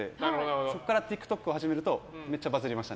そこからＴｉｋＴｏｋを始めるとめっちゃバズりました。